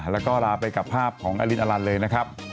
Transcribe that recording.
แล้วก็ลาไปกับภาพของอลินอลันเลยนะครับ